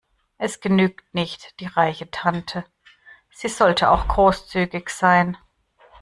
Es genügt nicht die reiche Tante, sie sollte auch großzügig sein.